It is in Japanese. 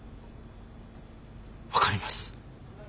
分かります。